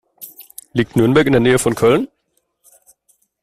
Liegt Nürnberg in der Nähe von Köln?